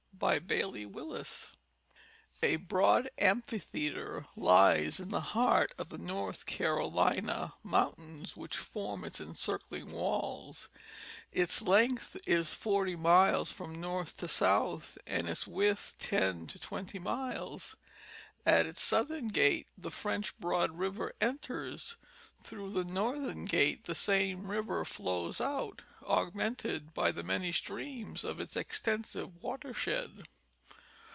By Bailey Willis. A BEOAD amphitheatre lies in the heart of the North Carolina mountains which form its encircling walls; its length is forty miles from north to south and its width ten to twenty miles. At its southern gate the French Broad river enters ; through the northern gate the same river flows out, augmented by the many streams of its extensive watershed.